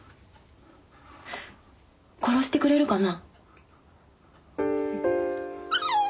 殺してくれるかな？